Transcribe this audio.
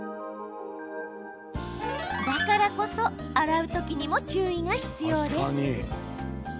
だからこそ、洗うときにも注意が必要です。